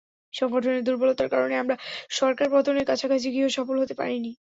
সংগঠনের দুর্বলতার কারণে আমরা সরকার পতনের কাছাকাছি গিয়েও সফল হতে পারিনি।